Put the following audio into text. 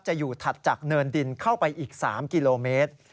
อยู่ถัดจากเนินดินเข้าไปอีก๓กิโลเมตร